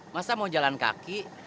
masa mau jalan kaki